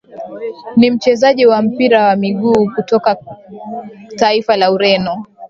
Ni mchezaji wa mpira wa miguu kutoka taifa la Ureno